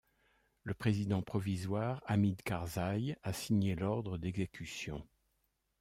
Le président provisoire Hamid Karzai a signé l'ordre d'exécution.